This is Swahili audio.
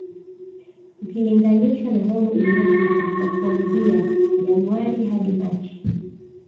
Ukilinganisha na robo iliyopita ya kuanzia Januari hadi Machi